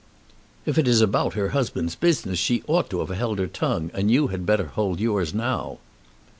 "If it is about her husband's business she ought to have held her tongue, and you had better hold yours now."